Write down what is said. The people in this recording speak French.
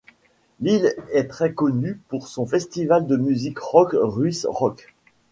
L'île est très connue pour son festival de musique rock Ruisrock.